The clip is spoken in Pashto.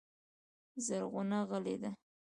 زرغونه غلې ده .